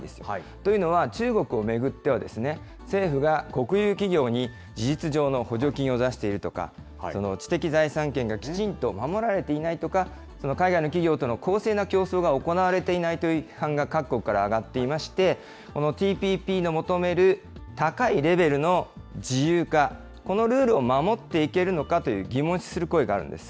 というのは、中国を巡っては、政府が国有企業に事実上の補助金を出しているとか、その知的財産権がきちんと守られていないとか、その海外の企業との公正な競争が行われていないという批判が各国から上がっていまして、このＴＰＰの求める高いレベルの自由化、このルールを守っていけるのか疑問視する声があるんです。